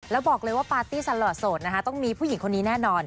แล้วบอกเลยว่าปาร์ตี้สลอดโสดนะคะต้องมีผู้หญิงคนนี้แน่นอน